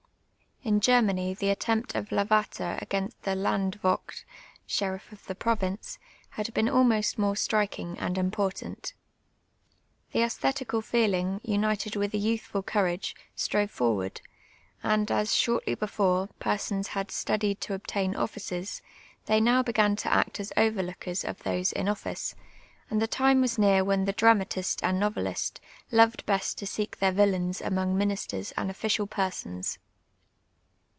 In (Jennany tlie attempt of Lavater against the L<iN(/vo(/t (sherirt'of the province) had been almost more strikin}^ and important. The a^thetical feelinjr, miited with youthful coura^^e, strove forward, and a.s, shortly before, persons had studied to obtain oilices, they now be;;an to act as overlookers of those in ofliee: and the time was near when tlie dramatist and novelist loved best to seek their villains amou;j; ministers and official })ersons.